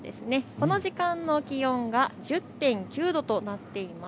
この時間の気温が１０．９度となっています。